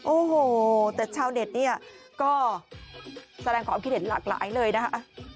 โอ้โหแต่ชาวเน็ตนี่ก็แสดงขอบพิเศษหลากหลายเลยนะฮะ